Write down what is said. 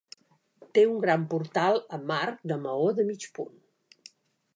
Té un gran portal amb arc de maó de mig punt.